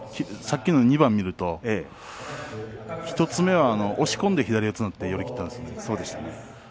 さっきの２番を見ると１つ目は押し込んで左四つになって寄り切ったんです。